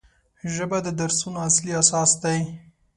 ژبه د درسونو اصلي اساس دی